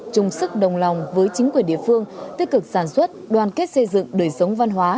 chung sức đồng lòng với chính quyền địa phương tích cực sản xuất đoàn kết xây dựng đời sống văn hóa